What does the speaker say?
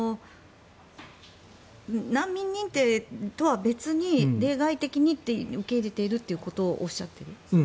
難民認定とは別に例外的に受け入れているということをおっしゃっている？